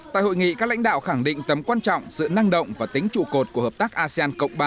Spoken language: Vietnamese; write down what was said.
tại hội nghị các lãnh đạo khẳng định tầm quan trọng sự năng động và tính trụ cột của hợp tác asean cộng ba